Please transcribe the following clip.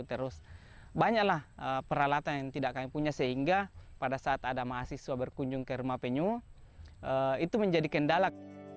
terus banyaklah peralatan yang tidak kami punya sehingga pada saat ada mahasiswa berkunjung ke rumah penyu itu menjadi kendala